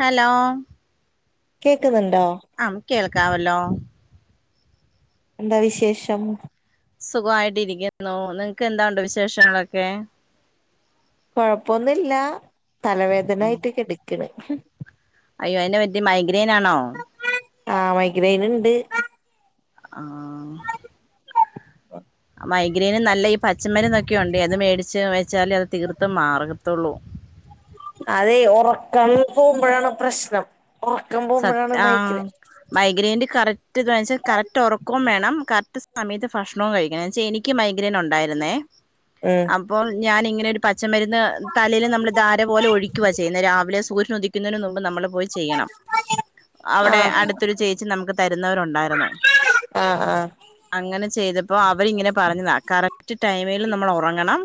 Hello കേക്കുന്നുണ്ടോ ആം കേൾക്കാവല്ലോ എന്താ വിശേഷം സുഖവായിട്ടിരിക്കുന്നു നിങ്ങക്ക് എന്താ ഉണ്ട് വിശേഷങ്ങളൊക്കെ കൊഴപ്പൊന്നുല്ല തലവേദനായിട്ട് കെടക്കണ് അയ്യോ അതെന്നാ പറ്റിയെ മൈഗ്രെൻ ആണോ ആഹ് മൈഗ്രൈൻ ഇണ്ട് ആഹ് മൈഗ്രൈനും നല്ല ഈ പച്ചമരന്ന്ക്കെയ ഉണ്ട് അത് മേടിച്ച് വെച്ചാൽ അത് തീർത്തും മാറത്തുള്ളൂ അതെ ഉറക്കം പോകുമ്പോഴാണ് പ്രശ്നം ഉറക്കം പോകുമ്പോഴാണ് മൈഗ്രെയ്ൻ മൈഗ്രയിൻറ് കറക്റ്റ് ത് വെച്ചാൽ കറക്റ്റ് ഉറക്കവും വേണം കറക്റ്റ് സമയത്ത് ഭക്ഷണവും കഴിക്കണം വെച്ചാൽ എനിക്ക് എനിക്ക് മൈഗ്രയിൻറ് ഉണ്ടയിരുന്നോ ഉം അപ്പോ ഞാൻ ഇങ്ങനെരു പച്ചമരുന്ന് തലയിൽ നമ്മൾ ധാര പോലെ ഒഴിക്കുക ചെയ്യുന്നത് രാവിലെ സൂര്യന ഉദിക്കുന്നതിനന് മുമ്പ് നമ്മൾ പോയി ചെയ്യണം അവിടെ ആഹ് അടുത്തൊരു ചേച്ചി നമുക്ക് തരുന്നവരുണ്ടായിരുന്നു ആഹ് അങ്ങനെ ചെയ്തപ്പോ അവരിങ്ങനെ പറഞ്ഞത കറക്റ്റ് ടൈമിൽ നമ്മൾ ഉറങ്ങണം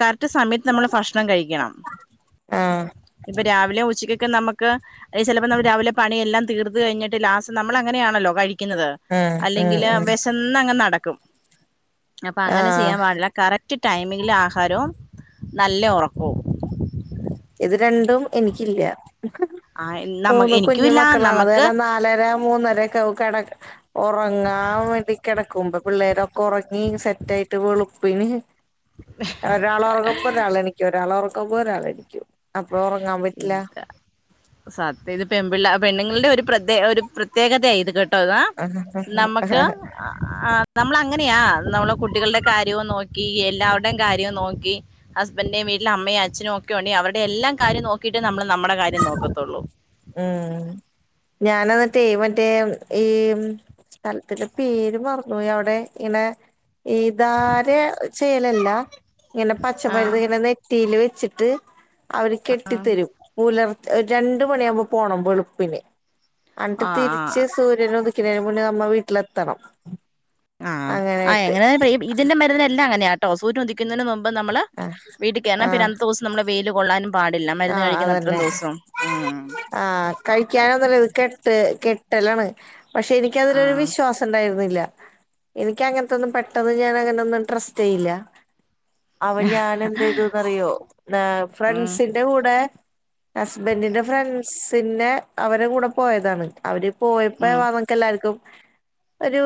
കറക്റ്റ് സമയത്ത് നമ്മള് ഭക്ഷണം കഴിക്കണം ആഹ് ഇപ്പൊ രാവിലെ ഉച്ചക്കൊക്കെ നമ്മക്ക് രാവിലെ പണിയെല്ലാം തീർത്ത് കഴിഞ്ഞിട്ട് ലാസ് നമ്മൾ അങ്ങനെയാണല്ലോ കഴിക്കുന്നത് ഉം ഉം അല്ലെങ്കിൽ ഉം വിഷ ശന്നങ്ങനെ നടക്കും അപ്പൊ അങ്ങനെ ആഹ് ചെയ്യാൻ പാടില്ല കറക്റ്റ് ടൈമിങ്ങിൽ ആഹാരവും നല്ല ഉറക്കവും ഇത് രണ്ടും എനിക്കില്ല ആ നമ്മ മൂന്ന് എനിക്കും കുഞ്ഞു ഇല്ല മക്കളാണ് അത് നമുക്ക് കാരണം പിള്ളാര് മൂന്നരൊക്കെട ഉറങ്ങാൻ വേണ്ടി കിടക്കുമ്പ പിള്ളേര് ഉറങ്ങി സെറ്റ ആായിട്ട് വെളുപ്പിന് ഹെ ഒരാൾ ഉറങ്ങുമ്പോ ഒരാൾ എണീക്കും ഒരാൾ ഉറങ്ങു മ്പോ ഒരാൾ എണീക്കും ഇതാ സത്യം ഇത് പെൺപിള്ള പെണ്ണുങ്ങളുടെ ഒരു പ്രദേ ഒരു പ്രത്യേകത ഇത് കേട്ടോത നമുക്ക് ആ നമ്മള അങ്ങനെയാ നമ്മളെ കുട്ടികളുടെ കാര്യവും നോക്കി എല്ലാവരുടെയും കാര്യവും നോക്കി ഹസ്ബൻഡറയും വീട്ടില അമ്മയും അച്ഛനും ഒക്കെ ഉണ്ടെ അവരുടെ എല്ലാം കാര്യം നോക്കിട്ട് നമ്മ നമ്മുടെ കാര്യം നോക്കത്തുള്ളൂ മം ഞൻ എന്നിട്ടേ മറ്റേ ഈ സ്ഥലത്തിന്റെ പേര് മറന്ന് പോയി അവിടെ ഇങ്ങനെ ഈ ധാര ചെയ്യലല്ല ഇങ്ങനെ ആഹ് പച്ചമരുന്ന് ഇങ്ങനെ നെറ്റിയിൽ വെച്ചിട്ട് അവർ കെട്ടിത്തരും പുലർ രണ്ട്, മണിയാകുമ്പോൾ പോണം വെളുപ്പിന് അണ്ട് ആഹ് തിരിച്ച് ആഹ് സൂര്യനുദിക്കിനതിന് മുന്നേ നമ്മ വീട്ടിലെത്തണം ആഹ ആ് അങ്ങനായിട്ട് എങ്ങനെെ ഇതിന്റെ മരുന്നെല്ലാം അങ്ങനെയ ട്ടോ സൂര്യൻ ഉദിക്കുന്നതിന് മുമ്പ് നമ്മൾ ആഹ് വീട്ടിൽ കയറണം പിന്നെ ആഹ് അന്നത്തെ ദിവസം നമ്മൾ വെയിയില് കൊള്ളാനും പാടില്ല മരുന്ന് ആഹ് കഴിക്കുന്ന അത്രയും അതന്നെ ദിവസവും മം ആഹ് കഴിക്കാനലത് കെട്ട് കെട്ടലാണ് പക്ഷെ എനിക്ക അതിലൊരു ആഹ് വിശ്വാസം ഉണ്ടയിരുന്നില്ല എനിക്ക് അങ്ങനത്തൊന്നും പെട്ടെന്ന് ഞൻങ്ങനൊന്നും ട്രസ്റ്റ് ചെയ്യില്ല അവ ഞാൻ എന്തേതുന്ന്റിയോ ഉം ഫ്രണ്ട്സി കൂടെ ഹസ്ബൻ റ്റിന്റെ ഫ്രണ്ട്സിന്റെ അവരുടെ കൂടെ പോയതാണ് അവര് പോയപ്പോ ഉം നമക്ക് എല്ലാവർക്കും ഒരു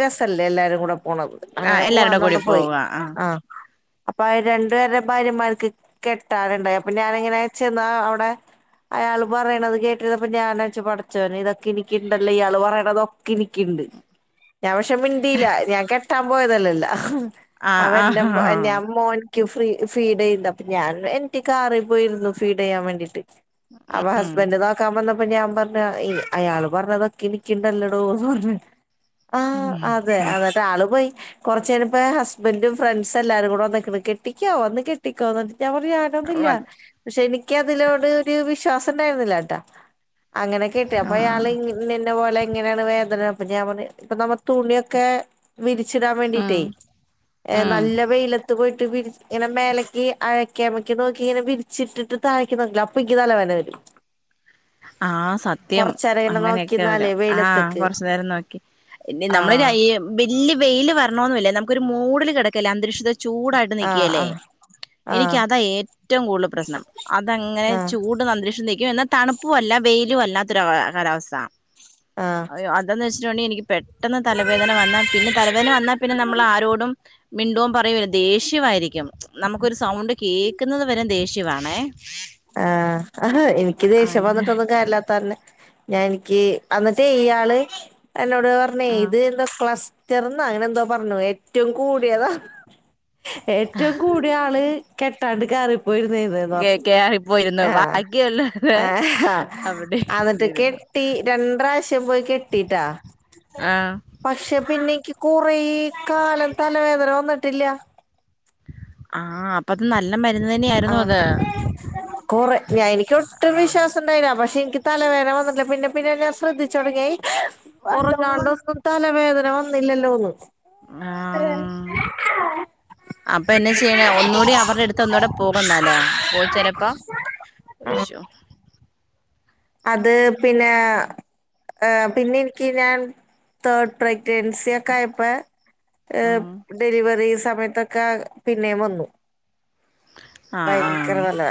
രസല്ലേ എല്ലാരും കൂടെ പോണത് അങ്ങനെ ആഹ് എല്ലാരുടെ കൂടി പോവാന്നോണ്ട് പോയി പോവ ആഹ് ആ അപ്പൊ അവര് രണ്ടു പേരെ ഭാര്യമാർക്ക് കെട്ടാനണ്ട് പിന്നെ ഞാനങ്ങനാച്ചെന്നാ അവിടെ അയാൾ പറയണത് കേട്ടിരിന്നപ്പ ഞാനൻച്ച പഠച്ചോന് ഇതൊക്കെ എനിക്കുണ്ടല്ലോ ഇയാൾ പറയണതൊ ക്കെ കിനിക്കുണ്ട് ഞാൻ പക്ഷെ മിണ്ടില്ല ഞാൻ കെട്ടാൻ പോയതല്ലല്ലോ ആഹ് അവൻന്റെ ആഹ് ആഹ് ഞാൻമ്മോൻ ഫ്രീ ഫീഡ് ചെയ്യണ്ട് അപ്പൊ ഞാൻ എനിക്ക് കാറിൽ പോയിരുന്നു ഫീഡ് ചെയ്യാൻ വേണ്ടിയിട്ട് അവ ഉം ഹസ്ബൻഡ് നോക്കാൻ വന്നപ്പോ ഇപ്പൊ ഞാൻ പറഞ്ഞ അയാള് പറഞ്ഞതൊക്കെ എനിക്കിണ്ടല്ലോടോന്ന് പറഞ്ഞ് ആഹ് അതെ ഉം എന്നിട്ട് ആള് പോയി കുറച്ചു കഴിഞ്ഞ ഇപ്പ ഹസ്ബൻഡും ഫ്രണ്ട്സും എല്ലാരും കൂടെ വന്ന ക്കണ് കെട്ടിക്കോ വന്ന് കെട്ടിക്കോ ഞാൻ പറഞ്ഞു ഞാൻ ഒന്നല്ല പക്ഷെ എനിക്ക്തിലോട് ഒരു വിശ്വാസം ഉണ്ടായിരുന്നില്ല കേട്ടാ അങ്ങനെ കിട്ടും അപ്പൊ ആഹ് അയാള്ന്നെ പോലെ എങ്ങനെയാണ് വേദന അപ്പൊ ഞാൻ പറ ഇപ്പ നമ്മ തുണിയൊക്കെ വിരിച്ചിടാൻ ഉം വേണ്ടിട്ടേ ഉം നല്ല വെയിലത്ത് പോയിട്ട് വിരി ഇങ്ങനെ മേലേക്ക് അഴക്കാക്കക്ക് നോക്കി ഇങ്ങനെ വിരിച്ചിട്ടിട്ട് താഴക്കി നോക്ക അപ്പൊ എനിക്ക് തലേന വരും ആഹ് സത്യം കൊറച്ചേരം ഇങ്ങനെ അങ്ങനെയൊക്കെ വരും നോക്കിന്നാലേ ആഹ് വെയിലത്തേക്ക് കൊറച്ചു നേരം നോക്കി നമ്മളൊരു ആഹ് വലിയ വെയിയില് വരണോന്നുമല്ല നമുക്കൊരു മൂഡില് കിടക്കല അന്തരീക്ഷത്തിൽ ചൂടായിട്ട് ആഹ് നിക്കിയല്ലേ ആഹ് എനിക്ക് അതാ ആഹ് ഏറ്റവും കൂടുതൽ പ്രശ്നം അത അങ്ങനെ ആഹ് ചൂട് അന്തരീക്ഷം നി ക്കും തണുപ്പും അല്ല വെയിലും അല്ലാത്തൊ ഒരു കാലാവസ്ഥ ആഹ് അതാന്ന് വെച്ചിട്ടണ്ടെങ്ക എനിക്ക് പെട്ടെന്ന് തലവേദന വന്നൽ പിന്നെ തലവേദന വന്നാൽ പിന്നെമ്മള ആരോടും മിണ്ടോംപറയാം ല്ല ദേഷ്യമായിരിക്കും നമുക്കൊരു സൗണ്ട് കേക്കുന്നത് വരെ ദേഷ്യവാണേ. ആഹ് ആഹാ എനിക്ക് ദേഷ്യം വന്നിട്ടൊന്ന [unintelligible] ഞാൻ എനിക്ക് അന്നിട്ട് ഈ ആള് എന്നോട് പറ ഞ്ഞേ ആ ഇത് എന്തോ ക്ലസ്റ്റർന്നാ അങ്ങനെ എന്താ പറഞ്ഞു ഏറ്റവും കൂടിയതാ ഏറ്റവും കൂടിയ ആള് കെട്ടാണ്ട് കയറിപ്പോയിരുന്നന്ന്ന്ന് കേ പറഞ്ഞു. കേറിപ്പോയിരുന്നു ആഹ് ബാക്കിയുള്ളത് അവിടെ ആഹ് എന്നിട്ട് ഇരുന്നിരുന്നു കെട്ടി രണ്ടാശ്യം പോയി കെ ട്ടിട്ട ആഹ് പക്ഷെ പിന്നെക്ക് കുറെ കാലം തലവേദന വന്നിട്ടില്ല. ആഹ് അപ്പ അത് നല്ല മരുന്ന് തന്നെയ ആയിരുന്നു അത് കൊറെ ഞ എനക്ക് ആ ഒട്ടും വിശ്വാസംണ്ടായിതിന പക്ഷെ എനിക്ക് തലവേന വന്നിട്ടില്ല പിന്നെ പിന്നെ ഞാൻ ശ്രദ്ധി - - ച്ചടങ്ങി ഒറങ്ങാണ്ടൊന്നും തലവേദന വന്നില്ലല്ലോന്ന് ആ. ഓ. അപ്പൊ എന്നാ ചെയ്യണെ ഒന്നുകൂടി അവരുടെ അടുത്ത് ഒന്നുകൂടെ പോകുന്നല്ലേ പോയി ചെലപ്പോ അത് പിന്നെ ആം പിന്നെ എനിക്ക് ഞാൻ തേഡ് പ്രഗ്നൻസി ഒക്കെ ആയപ്പോ ഹ ഉം ഡെലിവറി സമയത്തൊക്കെ പിന്നേ വന്നു. [inaudible] ഭയങ്കര ആ തലവേദന.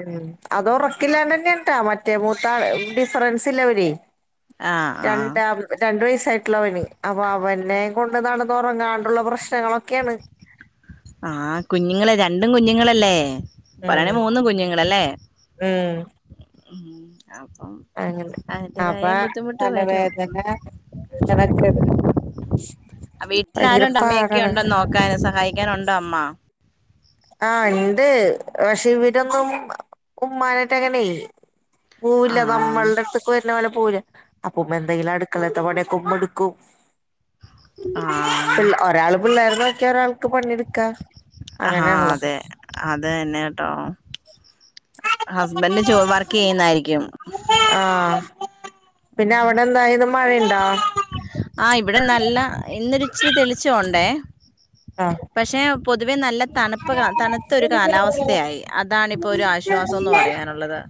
ഉം അത് ഉറക്കില്ലാണ്ട്ന്നെട്ടാ മറ്റേ മൂത്താ ഡിഫറൻസ് ഇല്ലവര്. ആ ആ രണ്ടാമ് രണ്ടു വയസായിട്ടുള്ള അവന് അപ്പൊ അവനെ കൊണ്ട് നടന്ന് ഉറങ്ങാണ്ടുള്ള പ്രശ്നങ്ങളൊക്കെയാണ്. ആ കുഞ്ഞുങ്ങളെ രണ്ടും കുഞ്ഞുങ്ങളല്ലേ. പറീണ ഉം മൂന്നുകുഞ്ഞുങ്ങളല്ലേ ഉം അപ്പം. അങ്ങനെ അപ്പ അതിൻ്റെതായ ബുദ്ധിമുട്ട് വരും തലവേദന ഇങ്ങനെ കിടക്ക ആ, ഭയങ്കരപ്പ പാടാണ്. നോക്കാൻ ങ്ങന ഉണ്ടോ അമ്മ. ആ ഇണ്ട് പക്ഷെ ഇവരൊന്നും ഉമ്മാനായിട്ട അങ്ങനെയ. ആ പോവില്ല നമ്മള്ടെ അടുത്തക്ക. നാളെ പോവൂല അപ്പ എന്തെങ്കിലും അടുക്കളത്തെ പണിക്കെ ഉമ്മട്ക്കും. ആ പി ഒരാള് പിള്ളേർ നോക്കിയാ ഒരാൾക്ക് പണിയെടുക്കാ. ആഹ അങ്ങനെയാണല്ലോ അതെ. അത് തന്നെ കേട്ടോ ഹസ്ബൻഡ് ജോ് വർക്ക് ചെയ്യുന്നതായിരിക്കും. ആഹ, പിന്നെ അവിടെ എന്താ ഇന്ന് മഴ ഉണ്ടോ? ആ ഇവിടെ നല്ല ഇന്നൊ ഇച്ചിരി തെളിച്ചോണ്ടേ ആഹ് പക്ഷെ. പൊതുവെ നല്ല തണുപ്പ് തണുത്തൊ ഒരു കാലാവസ്ഥയായി, അതാണിപ്പോൾ ഒരു ആശ്വാസംന്ന് പറയാനുള്ളത്.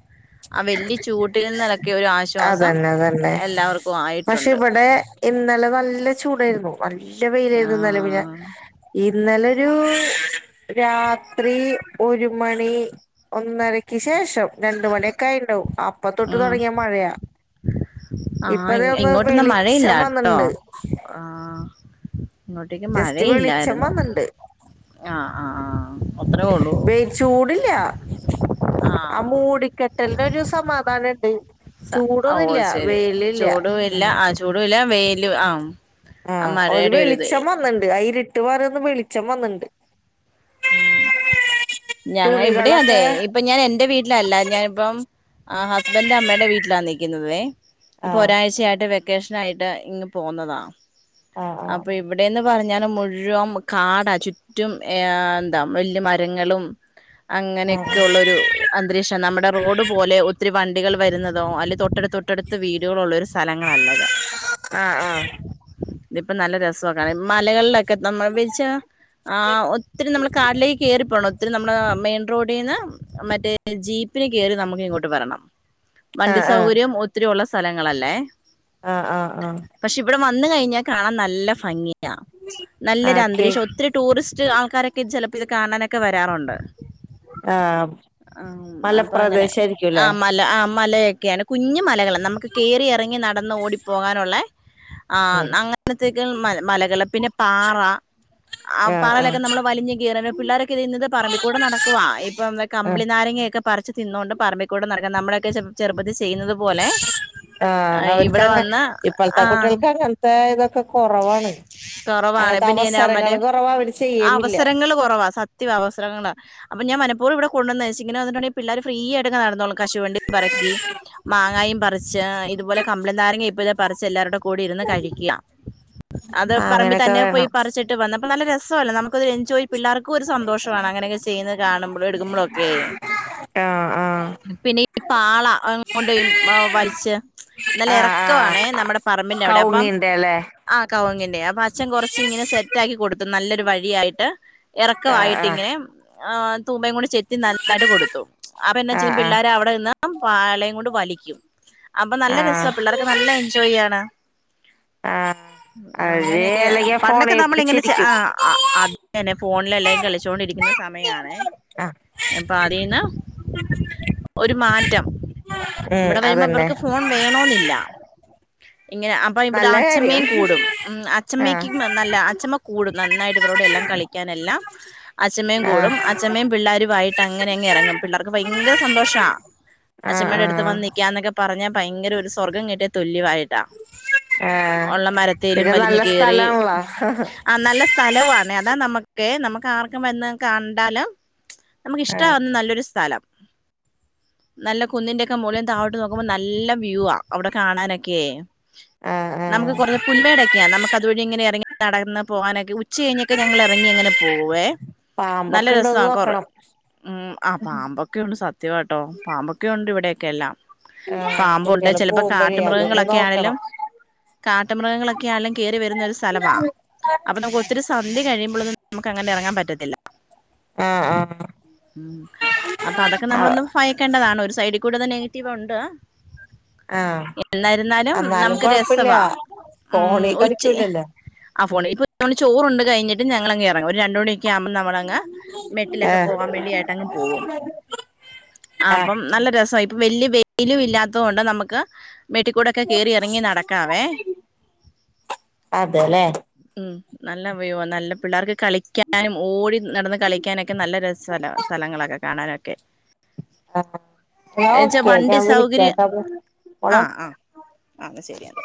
ആ വലിയ ചൂട്ടിൽന്നൊക്കെ ഒരു ആശ്വാസം. അതെ എല്ലാവർക്കും പക്ഷെ ആയിട്ടുണ്ട് ഇവിടെ ഇന്നലെ നല്ല ചൂടായിരുന്നു. നല്ല ആ വെയിലായിരുന്നു ഇന്നല പിന്ന ഇന്നലെരു. രാത്രി ഒരു മണി ഒന്നരക്ക് ശേഷം രണ്ട് മണിയെ ക്കെയായിണ്ടാവും അപ്പ തൊട്ട് ഉം. താെടങ്ങിയ മഴയാ ആ ഇപ്പതെ ഇ- ഒന്ന് വെളിച്ചം വന്ന്ണ്ട്. ആഹ് ഇങ്ങോട്ടേക്ക് വെളിച്ചം മഴയില്ലായിരുന്നു. വന്നിണ്ട് ആഹ് ആഹ് വൈചൂടില്ല ആ ആഹ് മൂടിക്കെ ട്ടെൽന് ഒരു സമാധാനം ഇണ്ട്. സ അഓഹ് ചൂടൊന്നുല്ല ശെരി വെയിലില്ല ചൂട് വില്ല ഉം ആഹ് ചൂടൂല്ല വെെല് ആം ആഹ് ഒരു വെളിച്ചം വന്ന്ണ്ട് ഐര്ട്ട് വര്ന്ന് വെളിച്ചം വന്ന്ണ്ട്. ഉം ഞങ്ങളി ഇവിടേം അതെ തുണികളൊക്കെ ഇപ്പ ഞാൻ എൻറെ വീട്ട്ലല്ല ഞാന്പ്പം ആഹ് ഹസ്ബെൻ്റ അമ്മയുടെ വീട്ട്ലാ നിക്ക്ന്നതേ ഇപ്പൊ ആഹ് ഒരാഴ്ചയായിട്ട് വെ ക്കേഷനായിട്ട് ഇങ് പോന്നതാ ആഹ് അപ്പേയ് ഇവിടേന്ന് പറഞ്ഞാല് മുഴുവൻ കാടാ ചുറ്റും ഏ എന്ത വെല്യ മരങ്ങളും ആഹ് അങ്ങനെയെക്കെ ഉള്ളാെരു അന്തരീക്ഷം നമ്മടെ റോഡ് പോലെ ഒത്തിരി വണ്ടികൾ വര്ന്നതോ അല്ലെ തൊട്ടട്ത്ത് തൊട്ടട്ത്ത് വീടുകളുള്ളൊരു സ്ഥലങ്ങളല്ല ഇത്. ആഹ് ആഹ് ഇതിപ്പം നല്ല രസാകാണാൻ മ്മലകൾലൊക്കെ നമ്മൾ വെലിച്ചാ ആഹ് ഒത് നമ്മൾ കാട്ലേക്ക് കേറി പോണം ഒത്തിരി നമ്മള് മെയിൻ റോഡീന്ന് മറ്റേ ജീപ്പ്ന് കേറി നമുക്ക് ഇങ്ങോട്ട് വരണം. വണ്ടി ആഹ് ആഹ് ആഹ് സൗകര്യം ഒത്തിരി ഉള്ള സ്ഥലങ്ങളല്ലേ ആഹ് ആഹ് ആഹ് പക്ഷെ ഇവിടെ വന്ന് കഴിഞ്ഞാ കാണാൻ നല്ല ഭംഗിയാ നല്ലൊരു ആഹ് അന്തരീക്ഷം കേക്ക് ഒത്തിരി ടൂറിസ്റ്റ് ആൾക്കാരൊക്കെ ഇത് ചെലപ്പാെ ഇത് കാണാനൊക്കെ വരാറുണ്ട് ആഹ് ആം അപ്പ അങ്ങനെ മലപ്രദേശായിരിക്കുംല്ലേ ആഹ് മല ആഹ് മലയെക്കെയാണ് കുഞ്ഞുമലകള നമുക്ക് കേറി എറങ്ങി നടന്ന് ഓടിപ്പോകാനുള്ളെ ആഹ് ഉം ന്നങ്ങ ഇന്നത്തേക്കാൾ മ മലകള് പിന്നെ പാറ ആഹ് പാറേലൊക്കെ നമ്മള് ഇഴഞ്ഞ് കേറല പിള്ളേരൊക്കെ ഇത് ഇന്ന്ത് പറമ്പിക്കൂടെ നടക്കുവാ ഇപ്പം തെ ആഹ് കംമ്പ്ളിനാ നാരങ്ങ യൊക്കെ പറിച്ച് തിന്നാേണ്ട് പറമ്പിക്കൂടെ നടക്കാ നമ്മളൊക്കെ ചെറ്പ്പത്തി ചെയ്യുന്നത് പോലെ ആഹ് ഇവിടെ അവര്ക്കങ്ങ് വന്ന് ഇപ്പൾത്തെ ആഹ് കുട്ടിയോൾക്കങ്ങൻത്തെ ഇതൊക്കെ കാെറവാണ് കൊറവാണ് അങ്ങൻത്തെ അവസരങ്ങള് കൊറവാ അവര് ചെയ്യേമില്ല ങ്ങള് കാെറവാ സത് ത്തിവാ അവസരങ്ങളാ അപ്പ ഞാ മനപ്പൂർവം ഇവിടെ കൊണ്ടുവന്നത് ച്ച് ഇങ്ങനെ വന്നിട്ടുണ്ടെങ്കി പിള്ളേര് ഫ്രീയായിട്ടൊക്കെ നടന്നോളും കശുവണ്ടിം പറക്കി മാങ്ങായും പറിച്ച് ഇതുപോലെ കമ്പി ളി നാരങ്ങ ഇപ്പതാ പറിച്ച് എല്ലാവരുടെ കൂടെ ഇരുന്ന് കഴിക്ക്യാ അത് ആഹ് പറമ്പിൽ അങ്ങനെയൊക്കെ തന്നെ പോയി വേണം പറിച്ചിട്ട് വന്നപ്പം നല്ല രസവല്ലേ നമുക്കത് ഒരു എൻജോയ് പിള്ളാർക്കും ഒര് സന്തോഷവാണ് അങ്ങനെയൊക്കെ ചെയ്യുന്നത് കാണുമ്പളും എട്ക്കുമ്പളൊക്കേയ് ആഹ് ആഹ് പിന്നെ ഈ പാള കൊണ്ടോയി ഉം വലിച്ച് നല്ല എറക്കവാണേ നമ്മടെ പറമ്പിന്റെ അവ്ടെ അപ്പം എലേഹ് ആഹ് കൗങ്ങിന്റെ അപ്പൊ അച്ഛൻ കൊറച്ച് ഇങ്ങനെ സെറ്റാക്കി കൊടുത്തു നല്ലൊരു വഴിയായിട്ട് ആഹ് എറക്കവായിട്ട് ആഹ് ഇങ്ങനെ ആഹ് തൂമ്പയും കൂടി ചെത്തി നന്നാക്കിയിട്ട് കൊടുത്തു അപ്പ എന്നാ ചെയ്യും ആഹ് ആഹ് പിള്ളേരവിടെ നിന്നും പാളയും കൊണ്ട് വലിക്കും അപ്പൊ നല്ല രസ്വാ ആഹ് പിള്ളേരൊക്കെ നല്ല എൻജോയ്യാണ് ആഹ് അവര് അങ്ങനെയെക്കെ അല്ലെങ്കിൽ പണ്ടൊക്കെ ഫോണിൽ നമ്മള് ഇങ്ങനെ ചെ പിടിച്ചിരിക്കും ആഹ് അ അത് ഇങ്ങനെ ഫോണിലെല്ലാരും കളിച്ചോണ്ടിരിക്കുന്ന സമയാണേ ആഹ് അപ്പതീന്ന് ഒര്മാറ്റം ഉം ഇവടെ വരുമ്പാെ അതന്നെ ഇവർക്ക് ഫോൺ വേണാേന്നില്ല ഇങ്ങനെ അപ്പൊ ഇവിടെ നല്ല അ കാര്യം മ്മയും കൂടും ഉം ആഹ് അഛമ്മക്കും നല്ല അച്ചമ്മകൂടും നന്നായിട്ട് ഇവരോട് എല്ലാം കളിക്കാനെല്ലാം അച്ചമ്മയും ആഹ് കൂടും അ അച്ഛമ്മയും പിള്ളേരുവായിട്ട് അങ്ങനെ അങ്ങ് ഇറങ്ങും പിള്ളേർക്ക് ഭയങ്കര സന്തോഷാ ആഹ് അച്ഛമ്മയുടെ അടുത്ത് ആഹ് വന്ന് നിക്കാന്നൊക്കെ പറഞ്ഞാ ഭയങ്കര ഒരു സ്വർഗം കിട്ടിയ തുല്യായിട്ടാ ആഹ് ഒള്ള മരത്തേലും പിന്നെ വലിഞ്ഞ് നല്ല കേറി സ്ഥലാണല്ലോ ആഹ് ആഹ് നല്ല സ് സ്ഥലവാണേ അതാ നമുക്ക് നമുക്ക് ആർക്കും വന്ന് കണ്ടാലും നമുക്കിഷ്ടാവുന്ന നല്ലൊരു സ്ഥലം നല്ല കുന്നിന്റേക്കെ മോളിന്ന് താഴോട്ട് നോക്കുമ്പോ നല്ല വ്യൂ ആഹ് അവിടെ കാണാനൊക്കെ ആഹ് നമുക്ക് ആഹ് കൊറേ പുൽമേടൊക്കെയാ നമുക്കതുവഴി ഇങ്ങനെ എറങ്ങി നടന്ന് പോകാനൊക്കെ ഉ ച്ച കഴിഞ്ഞൊക്കെ ഞങ്ങൾ എ റങ്ങി അങ്ങനെ പോവേ നല്ല പാമ്പൊക്കെ രസാ ഉണ്ടോന്ന് കൊറേ നോക്കണം ഉം ആഹ് പാമ്പൊ ക്കെ ഉണ്ട് സത്യാട്ടോ പാമ്പൊക്കെ ഉണ്ട് ഇവിടേക്കെ എല്ലാം ആഹ് പാമ്പൊണ്ട് കുട്ടികള് ചെലപ്പോ പോകുമ്പോഴേ അതൊന്ന് കാട്ടുമൃഗങ്ങളൊക്കെ നോക്കണം ആയാലും കാട്ടുമൃഗങ്ങളൊക്കെ ആയാലും കേറി വരുന്ന ഒരു സ്ഥലവാ അപ്പൊ നമുക്ക് ഒത്തിരി സന്ധൃ കഴിയുമ്പൊളൊന്നുംനമുക്ക് അങ്ങനെ എറങ്ങാൻ പറ്റത്തില്ല ആഹ് ആഹ് ആഹ് ഉം അപ്പൊ അതൊക്കെ നമ്മളൊന്ന്‌ ഭയക്കേണ്ടതാണ് ഒരു സൈഡിൽ കൂടി തന്നെ നെഗറ്റീവ് ഉണ്ട് ആഹ് എന്നിരുന്നാലും എന്നാലും നമുക്ക് കൊഴപ്പില്ല രസവാ ഉം ഫോണി ഉച്ച കളിക്കൂലല്ലോ ആ ഫോൺ ഇപ്പ ചോറുണ്ട് കഴിഞ്ഞിട്ട് ഞങ്ങെളെങ്ങറങ്ങും ഒരു രണ്ട് മണി യൊക്കാവുമ്പോ നമ്മളങ്ങ് മെട്ടിലൊക്കെ ആഹ് പോകാൻ വേണ്ടി ഏട്ടങ്ങ് പോകും ആഹ് അപ്പം നല്ല രസാ ഇപ്പ വല്ല്യ വൈയിലും ഇല്ലതൊണ്ട് നമുക്ക് മെട്ടിക്കൂടൊക്കെ കേറി എറങ്ങി നട അവേ അതെല്ലേ ഉം നല്ല വ്യൂ നല്ല പിള്ളാർക്ക് കളിക്കാനും ഓടി നടന്ന് കളിക്കാനൊക്കെ നല്ല രസ സ്ഥലങ്ങളൊക്കെ കാണാനൊക്കെ ആഹ് എന്നാ എന്നച്ചാ ഓക്കെ വണ്ടി ഞാൻ സൗകര്യം വിളിക്കാട്ടോ മോളെ ആഹ് ആഹ് അത് ശരിയാണ്